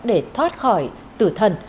để thoát khỏi tử thần